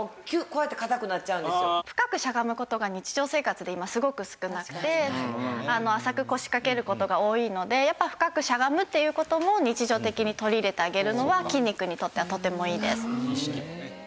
深くしゃがむ事が日常生活で今すごく少なくて浅く腰掛ける事が多いのでやっぱ深くしゃがむっていう事も日常的に取り入れてあげるのは筋肉にとってはとてもいいです。